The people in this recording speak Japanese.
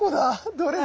どれだ？